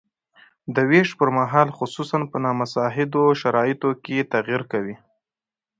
د ویش پرمهال خصوصاً په نامساعدو شرایطو کې تغیر کوي.